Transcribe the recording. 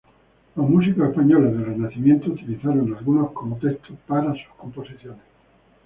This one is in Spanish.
Los músicos españoles del Renacimiento utilizaron algunos como texto para sus composiciones.